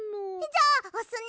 じゃあおすね！